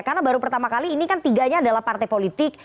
karena baru pertama kali ini kan tiganya adalah partai politik